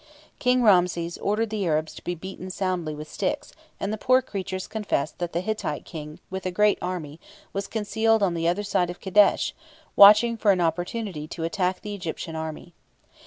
King Ramses ordered the Arabs to be soundly beaten with sticks, and the poor creatures confessed that the Hittite King, with a great army, was concealed on the other side of Kadesh, watching for an opportunity to attack the Egyptian army.